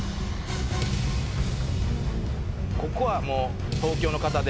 ここはもう東京の方で。